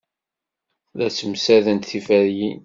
La ssemsadent tiferyin.